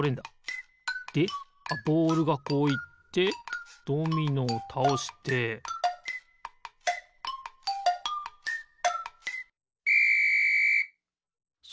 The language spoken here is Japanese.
でボールがこういってドミノをたおしてピッ！